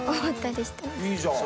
いいじゃん！